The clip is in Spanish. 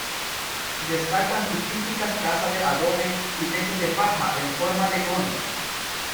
Destacan sus típicas casas de adobe y techos de paja en forma de cono.